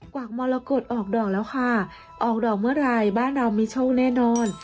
วากมรกฏออกดอกแล้วค่ะออกดอกเมื่อไหร่บ้านเรามีโชคแน่นอน